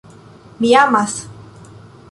Mi amas!